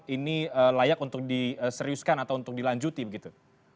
ini layak untuk diseriuskan atau untuk dilanjuti begitu